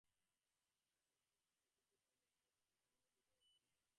আজ তোমার কাছ থেকে বিদায় নিচ্ছি, হয়তো সেইজন্যেই বিদায়ের কবিতা মনে হল।